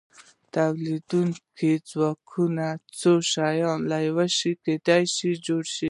تولیدونکي ځواکونه د څو شیانو له یوځای کیدو جوړیږي.